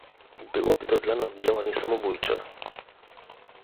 Byłoby to dla nas działanie samobójcze